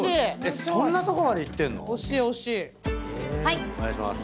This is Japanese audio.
そんなとこまでいってんの⁉お願いします。